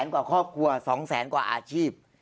๒๐๐๐๐๐กว่าครอบครัว๒๐๐๐๐๐กว่าอาชีพ